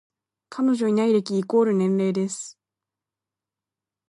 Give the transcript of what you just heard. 彼女いない歴イコール年齢です